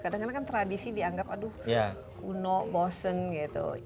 kadang kadang kan tradisi dianggap aduh kuno bosen gitu